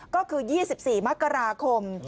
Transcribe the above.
ก็คือ๒๔มกราคม